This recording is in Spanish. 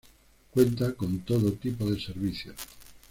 Cuenta con todo tipo de servicios.